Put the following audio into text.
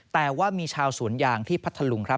แต่ว่ามีชาวสวนยางที่พัดทะลุง